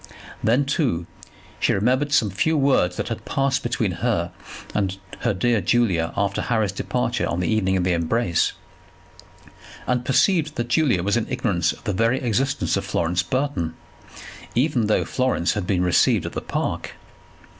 Then, too, she remembered some few words that had passed between her and her dear Julia after Harry's departure on the evening of the embrace, and perceived that Julia was in ignorance of the very existence of Florence Burton, even though Florence had been received at the Park.